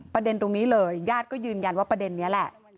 ประเด็นตรงนี้เลยญาติก็ยืนยันว่าประเด็นนี้แหละ